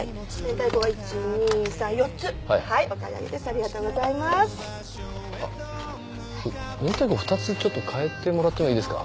たいこ２つちょっと替えてもらってもいいですか？